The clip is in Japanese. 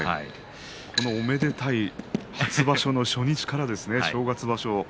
おめでたい初場所の初日から正月場所